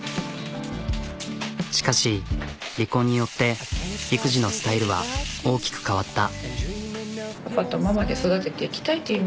しかし離婚によって育児のスタイルは大きく変わった。